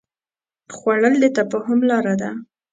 خوړل د تفاهم لاره ده